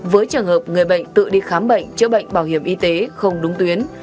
với trường hợp người bệnh tự đi khám bệnh chữa bệnh bảo hiểm y tế không đúng tuyến